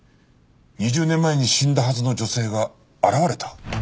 ２０年前に死んだはずの女性が現れた？